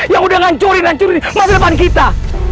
yang udah ngancurin ngancurin masa depan kita